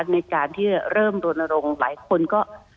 ในการที่เริ่มรณรงค์หลายคนก็